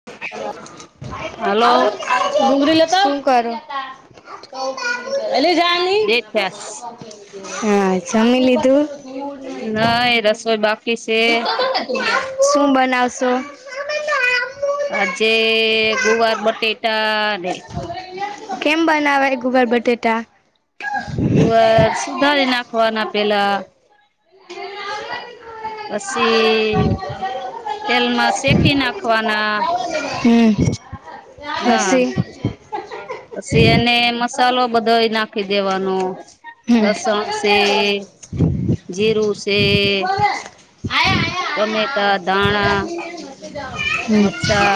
[inaudible] [inaudible] હા, જમી લીધું. [inaudible] શું બનાવશો? આજે ગુવાર બટેટા ને કેમ બનાવાય ગુવાર બટેટા? ગુવાર સુધારી નાખવા ના પેલા. પછી તેલમાં શેકી નાખવાના હમ. હા પછી એને મસાલો બધોય નાખી દેવાનો લસન સે જીરું સે ટમેટા, ધાણા, મરચા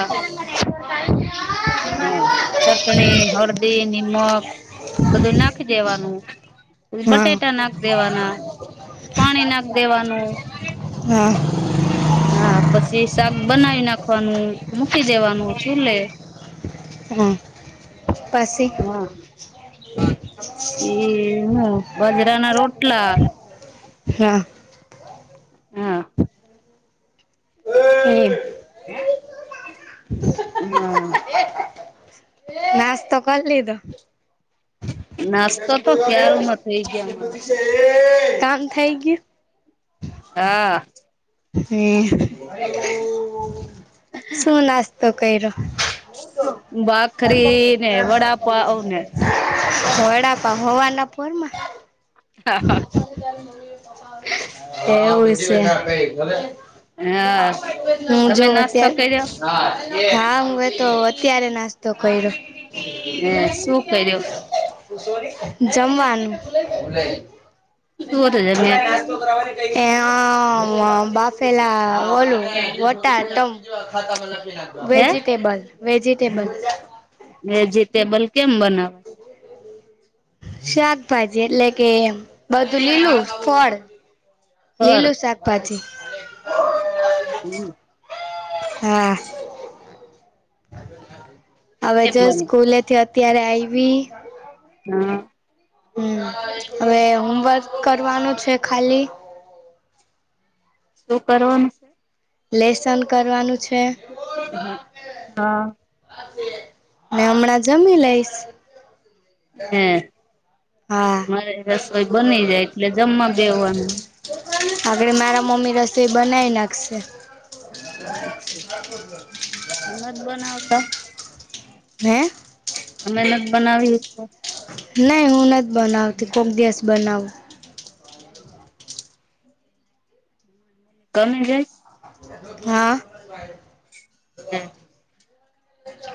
હ ચટણી, હરદી, નિમક બધું નાખી દેવાનું બટેટા નાખ દેવાના પાણી નાખ દેવાનું હા પછી શાક બનાય નાખવાનું મૂકી દેવાનું ચુલે હ. હ [unintelligible] પછી હૂ બાજરા ના રોટલા હા. હા. [inaudible] હા. નાસ્તો કર લીધો કામ થઈ ગ્યું? હા. [inaudible] શું નાસ્તો કયરો? વડા [unintelligible] હવારના પોરમાં એવુ છે. હું જોઉં અત્યા હા હું એ તો અત્યારે નાસ્તો કર્યો જમવાનું [unintelligible] બાફેલા [unintelligible] વેજીિટેબલ વેજીટેબલ વેજીટેબલ કેમ બના શાકભાજી એટલે કે બધું લીલું ફળ ફર હા. હવે જો સ્કૂલેથી અત્યારે આયવી હ. હમ હવે હોમવર્ક કરવાનું છે, ખાલી શું કરવાનું? લેસન કરવાનું છે. હ. ને અમણાં જમી લઈશ હે મારે રસોઈ બની જાય એટલે જમવા બેહવાનું હવે મારા મમ્મી રસોઈ બનાઈ નાખશે નથ બનાવતા હેં? તમે નથ બનાવી [unintelligible] નહી હું નથી બનાવતી કોક દિવસ બનાવું. હમ્મ. કમે જાઈશ. હા. હમ્મ.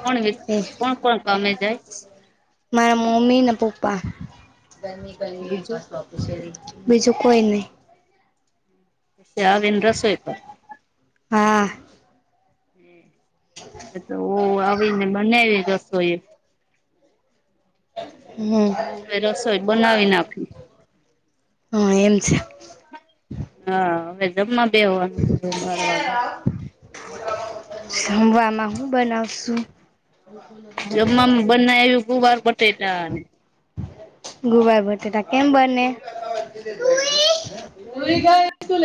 કોણ વી કોણ કોણ કામે જાયસ? મારા મમ્મી ને પપ્પા. બીજું કોઈ નહી. તે આવીને રસોઈ કરે. હા. હ તો આવીને બનાઇવી રસોઈ એ. હમ્મ, હા એમ છે. હા હવે જમવા બેહવાનું છે બાર વાગે. જવામાં હું બનાવશું? જમવાવામાં બનાયુ ગુવાર બટેટા ને ગુવાર બટેટા કેમ બને? [inaudible] પછ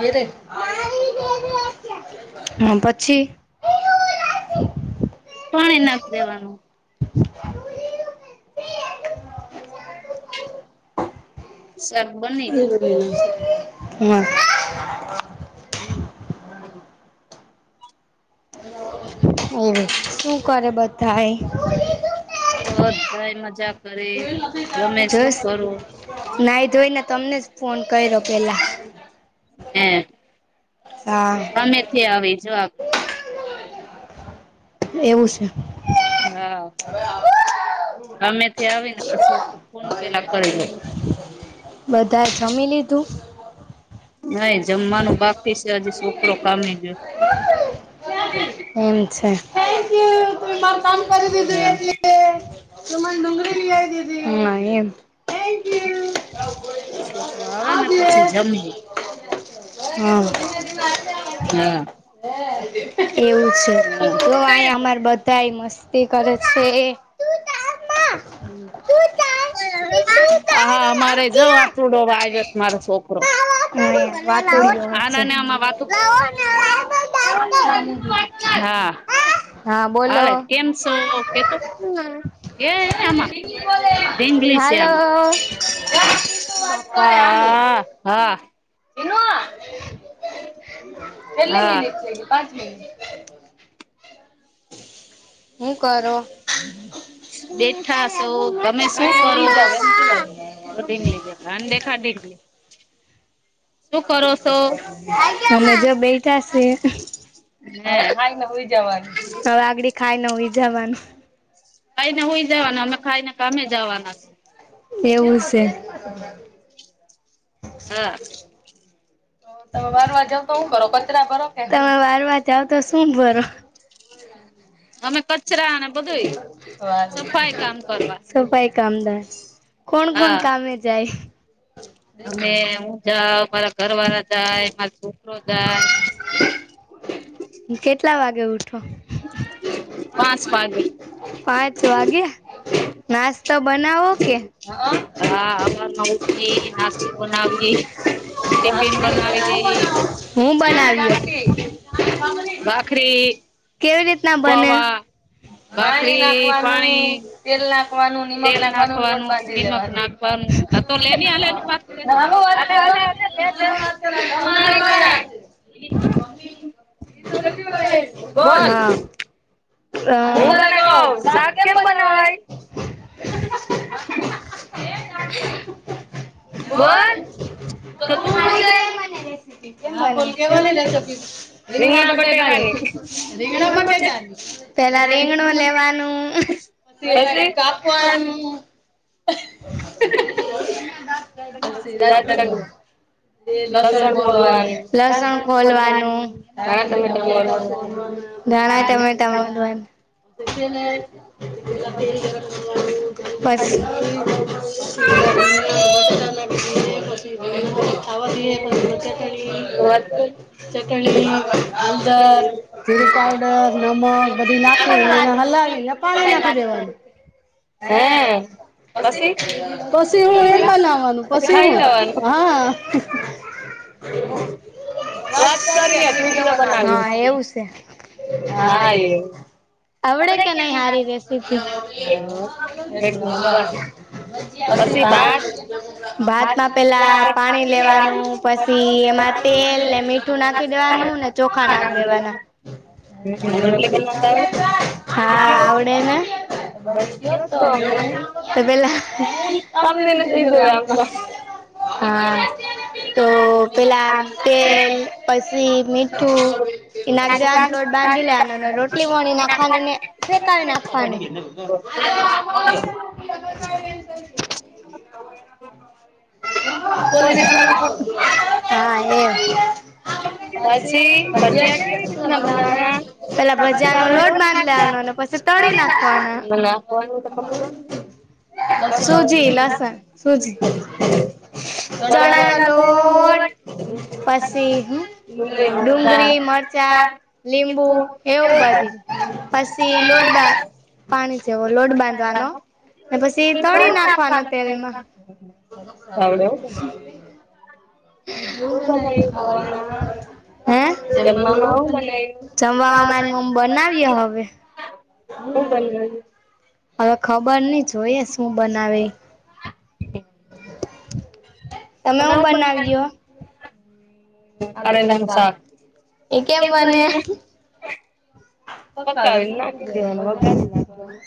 યે રે. હા પછી. પાણી નાખી દેવાનું. હ... [inaudible] શાક બની ગયું. હમ્મ હા. હમ્મ, હા. હમ્મ શું કરે બધાય? બધાય મજા કરે. તમે શું કરો? નાહી ધોઈને તમને જ ફોન કર્યો પેલા. હે ગમે છે આવી જો આ એવું છે. હા હામેથી આવીને પછી ફોન પેલા કરી લો. બધા જમી લીધું? નહી જમવાનું બાકી છે, હજી છોકરો કામે ગયો. એમ છે. હા એમ. છોકરો આવે ને, પછી જમીલુ. હા. એવું છે, જો આઈ અમારે બધ ધા એ મસ્તી કરે છે. હમ્મ. હા હમારે આ જો વાતુડો આયો છે, અમારો છોકરો. હા અને ના માં વાતો હા. હા બોલો. કેમ છો કેતો. [inaudible] એ એમાં ઢીંગલી છે આમાં. બાપા હા. એટલે મિનિટ થઈ ગઈ. [inaudible] પાંચ મિનિટ, હું કરો? બેઠા છો, તમે શુ કરો? જો ઢીંગલી દેખાઈ, આને દેખાડ ઢીંગલી. અમે જો બેઠા સે. હવે ખાઈ ને હુઈ જવાનું વાઘડી ખાઈ ને હુઈ જવાનું. ખાઈ ને હુઈ જવાનાં, અમે ખાઈ ને કામે જવાના. એવું છે. કેવું સ. હા... [inaudible] તમે વારવા જાવ તો હું કરો કચરા ભરો કે તમે વારવા જાવ તો શુ ભરો? અમે કચરા ને બધુંય, સફાઈ કામ કરવા. કામદાર કોણ કોણ કામે જાય? અમે હું જાઓ, મારા ઘર વાળા જાય, મારો છોકરો જાય. કેટલા વાગે ઉઠો? પાંચ વાગે. નાસ્તો બનાવો કે હ આ. હા હવાર માં ઉઠી, નાસ્તો બનાવી. ટિફિન બનાવી દેવી. ભાખરી કેવી રીતના બને પાણી નાખવાનું તેલ નાખવાનું નિમક નાખવાનું લોટ બાંધી લેવાનું અ તમારે કોણ આય. બોલ હા. હું તને કહું શાક કેમ બનાવાની. [inaudible] બોલ તો તું પૂછ એલી. રહેવા દે રીંગણા બટેકાંની રીંગણા બટેકા પેહલા રીંગણું લેવાય. પછી કાપવાનું પછી દાંત કાઢવાનું લસણ ફોલવાનું લસણ ફોલવાનું ઘાણા ટમેટા મોલવાનું એથી પેલા તેલ ગરમ કરવાનું. બસ [unintelligible] ખાવા દઈએ પછી ચટણી ચટણી [inaudible] પાવડર જીરું પાવડર નમક બધી નાખ એને હલાવી ને પાણી નાખી દેવાનું. હા. પછી પછી ખાઈ લેવાનું. વાત કરી [unintelligible] ઈ તો બનાવી છીએ હા એવું. આવડે કે નહી હારી રેસીપી ભજીયા પછી ભાત ભાત માં પેલા પાણી લેવાનું પછી એમાં તેલ ને મીઠું નાખી દેવાનું ને ચોખા નાખી દેવાના હા આવડેને [unintelligible] [inaudible] હા તો પેલા આમ તેલ પછી મીઠુ [unintelligible] એ નાખી દેવાનું લોટ બાંધી લેવાનું અને રોટલી વણી નાખવાની ને સેકાવી નાખવાની [unintelligible] [unintelligible] હા એમ પછી ભજીયા કેવી રીતના બનાવવાના પેલા ભજીયા નો લોટ બાંધી લેવાનો અને પછી પછી તળી નાખવાના સુજી લસન સુજી ચણા નો લોટ પસી હમમ ડુંગળી મરચાં લીંબુ એવું બધી પસી લોટ બા પાણી જેવો લોટ બાંધવાનો અને પછી તળી નાખવાનો તેલમાં શું બનાવ્યું સવારના માં જમવામાં શું બનાવ્યું [inaudible] શું બનાવ્યું હવે ખબર નઈ જોઈએ શું બનાવે તમે હું બનાવીયુ કરેલા નું શાક કેમ બને પકાવીને નાખી દેવાનું વઘારી નાખવાનું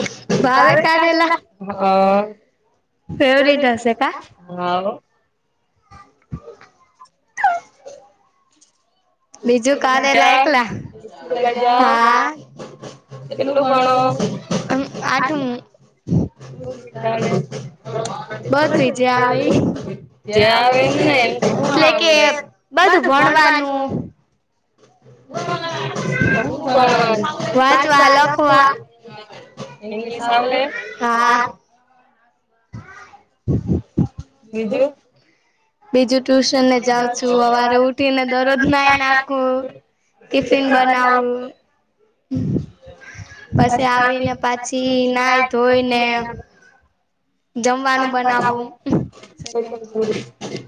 [unintelligible] [unintelligible] એવી રીતે છે કા હા હો. બીજું કારેલા એકલા હા કેટલું ભણો આઠમુ [unintelligible] [inaudible] ત્યાં આવે એમ ને [inaudible] એમ બધું ભણવાનું [unintelligible] પણ શું ભણવાનું વાંચવા લખવાં ઈંગ્લીશ આવડે હા હ [inaudible] બીજું બીજું ટ્યુશન એ જાઉ છું સવારે ઉઠી ને દરરોજ નાઈ નાખું ટિફિન બનાવું પછી આવીને પાછી નાઈ ધોઈને જમવાનુ બનાવવુ [unintelligible]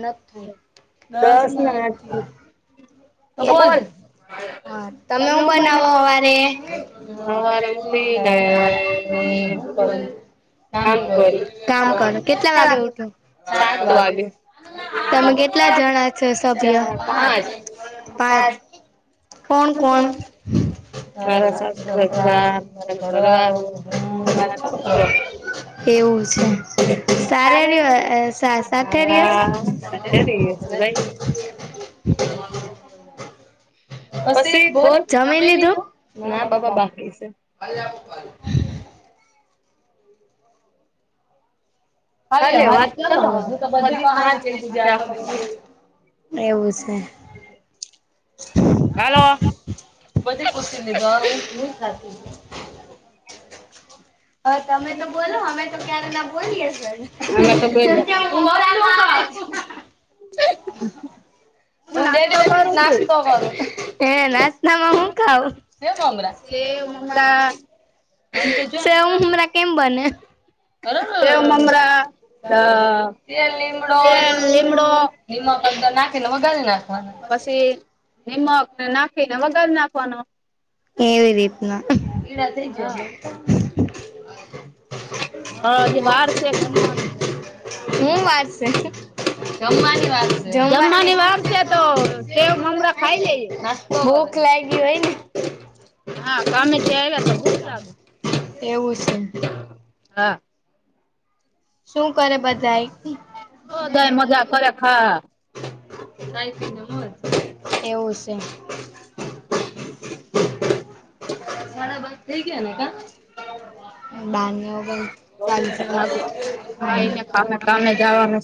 નથી, દસ ને આઠ થયા તો બોલ તમે શું બનાવો સવારે, સવારે ઉઠીને..... હમ [unintelligible] કામ કરૂ, કેટલા વાગે સાત વાગે [inaudible] ચાર પાંચ કોણ કોણ, મારાં સાસુ સસરા, મારો ઘરવાળો, હું ને મારાં છોકરા. એવું છે [unintelligible] સાથે રે છે. જ ભાઈ [inaudible] પછી [inaudible] જમી લીધું. નાબાપા બાકી [inaudible] આલ્યા આપું પાલી. આલ્યો વાત કરો હવે હું તો બધી કહાની કઈ દીધી આખો દિવસ શું કરિયું એવું છે. હાલો. બધી ખુશીને [inaudible] જવા હવે તમેતો બોલો અમેતો ક્યારના બોલીએ છીએ. એમ કે [inaudible] મોરનું માવા [unintelligible] હું બેઠી બેઠી નાસ્તો કરું. હે નાસ્તા માં હું ખાવ? સેવ મોમરા. સેવ મમરા સેવ મમરા કેમ બને. અ ર ર ર, તેલ લીમડો ધીમો કલતો નાખીને વઘારી લખવાના. પછી, નિમક ને નાખીને વઘારી નાખવાનો. એવી રીતના [unintelligible] હા, હજી વાર છે જમવાનું. હું વારસે? જમવાની વાર છે જમવાની વાર છે તો સેવ મમરા ખાઈ લેવી. ભૂખ લાયગી હોયને. હા કામેથી આવ્યા તો ભૂખ લાગે. એવું છે. હા. શું? કરે બધાય. બજાય મજા કરે ખા ખાઈ પી ને મોજ, એવું સે. [inaudible] સાડાબાર થઈ ગયા નેકા બારને ઓગણ ચાલીશ [unintelligible] ખાઈને કામે કામે જાવાનું.